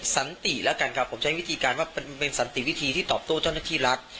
สันติแล้วกันครับผมใช้วิธีการว่าเป็นสันติวิธีที่ตอบโต้เจ้าหน้าที่รัฐ